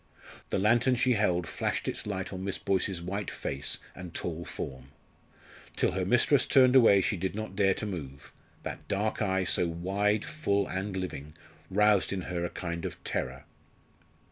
The lantern she held flashed its light on Miss Boyce's white face and tall form. Till her mistress turned away she did not dare to move; that dark eye, so wide, full, and living, roused in her a kind of terror.